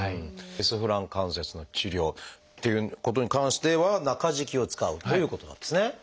リスフラン関節の治療っていうことに関しては中敷きを使うということなんですね。